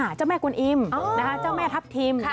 เจ้าแม่กุณอิมเจ้าแม่ทัพทิม